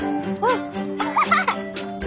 アハハハ！